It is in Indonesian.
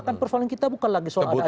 kan persoalan kita bukan lagi soal ada